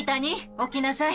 起きなさい。